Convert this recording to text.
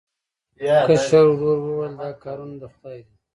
کشر ورور وویل دا کارونه د خدای دي.